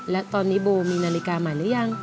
และตอนนี้โบมีนาฬิกาใหม่หรือยัง